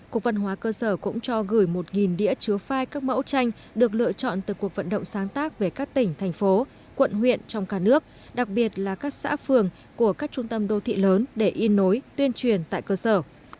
cục văn hóa cơ sở cũng cho gửi một đĩa chứa phai các mẫu tranh được lựa chọn từ cuộc vận động sáng tác về các tỉnh thành phố quận huyện trong cả nước đặc biệt là các xã phường của các trung tâm đô thị lớn để in nối tuyên truyền tại cơ sở